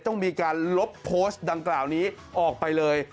ต้องมีการลบโพสต์ดังกล่าวนี้ออกไปเลย